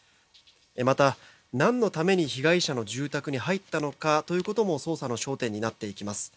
また何のために被害者の住宅に入ったのかということも捜査の焦点になっていきます。